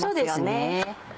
そうですね。